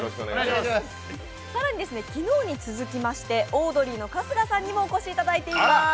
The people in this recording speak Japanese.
更に昨日に続きましてオードリーの春日さんにもお越しいただいています。